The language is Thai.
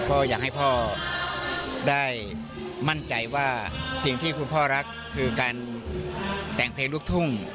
ก็อยากให้พ่อได้มั่นใจว่าสิ่งที่คุณพ่อรักคือการแต่งเพลงลูกทุ่ง